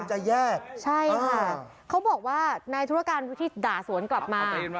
ใช่ค่ะเขาบอกว่าในธุรการที่ด่าสวนกลับมา